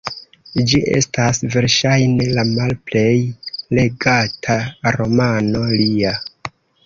Ĝi estas verŝajne la malplej legata romano lia.